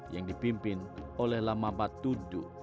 yang dipimpin oleh lama batudu